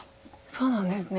そうなんですね。